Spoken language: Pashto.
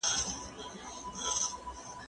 کېدای سي لوبه اوږده سي!